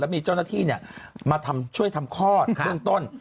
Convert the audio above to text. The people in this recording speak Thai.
และมีเจ้าหน้าที่มาช่วยทำข้อตรงต้น